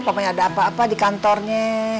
pokoknya ada apa apa di kantornya